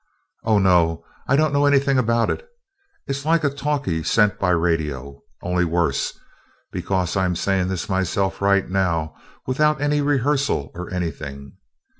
Oh, no, I don't know anything about it it's like a talkie sent by radio, only worse, because I am saying this myself right now, without any rehearsal or anything